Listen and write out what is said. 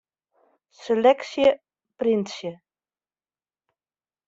Seleksje printsje.